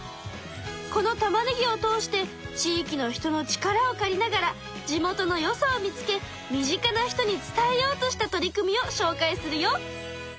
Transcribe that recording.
このたまねぎを通して地域の人の力を借りながら地元のよさを見つけ身近な人に伝えようとした取り組みをしょうかいするよ。